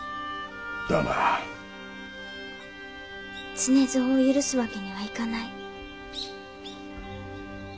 「常蔵を許すわけにはいかない」。